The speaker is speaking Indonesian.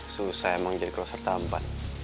susah emang jadi crosser tanpa